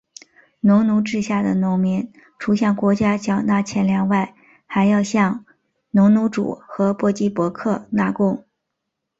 农奴制下的农民除向国家缴纳钱粮外还要向农奴主和各级伯克纳贡。